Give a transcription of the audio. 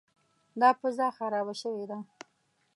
دا پزه خرابه شوې ده.